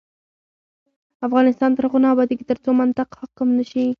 افغانستان تر هغو نه ابادیږي، ترڅو منطق حاکم نشي.